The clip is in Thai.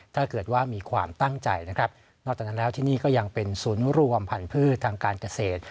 ถ้าเกิดว่ามีความตั้งใจนะครับนอกจากนั้นแล้วที่นี่ก็ยังเป็นศูนย์รวมพันธุ์ทางการเกษตร